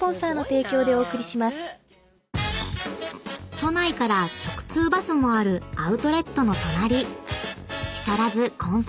［都内から直通バスもあるアウトレットの隣］